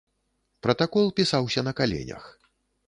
Пратакол пісаўся на каленях.